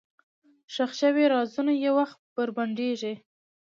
ښخ شوي رازونه یو وخت بربنډېږي.